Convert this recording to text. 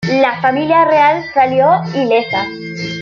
La Familia Real salió ilesa.